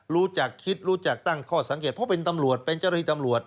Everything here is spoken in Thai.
รู้จักคิดรู้จักตั้งข้อสังเกตเพราะเป็นตำรวจเป็นเจ้าหน้าที่ตำรวจ